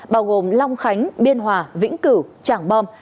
bao gồm long khánh biên hòa vĩnh cửu tràng bom